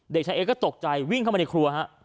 เด็กชายเอก็ตกใจวิ่งเข้ามาในครัวฮะ